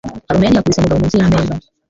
Carmen yakubise Mugabo munsi yameza.